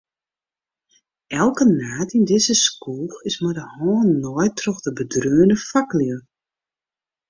Elke naad yn dizze skoech is mei de hân naaid troch bedreaune faklju.